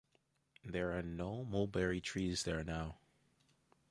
There are no mulberry trees there now.